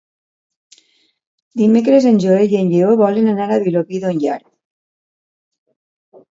Dimecres en Joel i en Lleó volen anar a Vilobí d'Onyar.